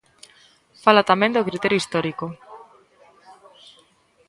Fala tamén do criterio histórico.